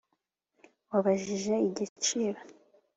wabajije igiciro